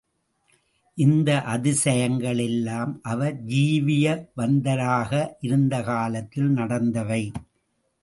இந்த அதிசயங்கள் எல்லாம் அவர் ஜீவியவந்தராக இருந்த காலத்தில் நடந்தவை.